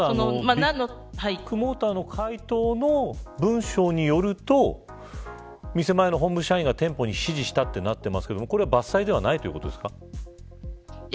ビッグモーターの回答の文書によると店前の本部社員が店舗に指示したということですが伐採ではないということですか。